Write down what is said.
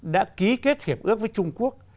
đã ký kết hiệp ước với trung quốc